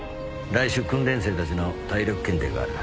来週訓練生たちの体力検定がある。